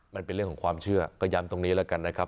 มันเป็นเรื่องของความเชื่อก็ย้ำตรงนี้แล้วกันนะครับ